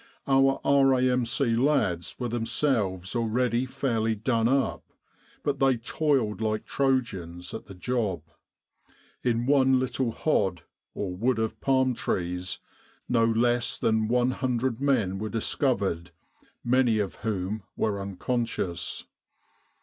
Our R.A.M.C. lads were themselves already fairly done up, but they toiled like Trojans at the job. In one little ho d, or wood of palm trees, no less than 100 men were dis covered, many of whom were unconscious.